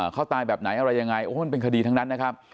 เขาตายแบบไหนอะไรยังไงโอ้มันเป็นคดีทั้งนั้นนะครับ